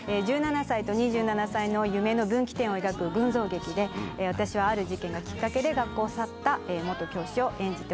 １７歳と２７歳の夢の分岐点を描く群像劇で私はある事件がきっかけで学校を去った教師を演じております